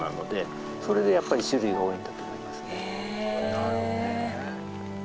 なるほどね。